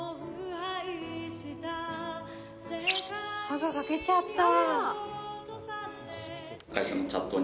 歯が欠けちゃった！